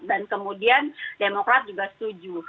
dan kemudian demokrat juga setuju